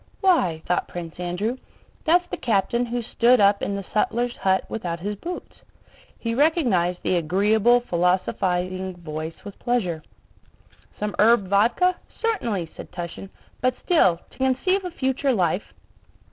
"Why," thought Prince Andrew, "that's the captain who stood up in the sutler's hut without his boots." He recognized the agreeable, philosophizing voice with pleasure. "Some herb vodka? Certainly!" said Túshin. "But still, to conceive a future life..."